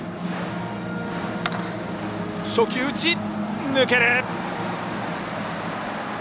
初球打ち、抜けた。